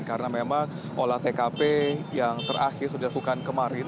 karena memang olah tkp yang terakhir sudah dilakukan kemarin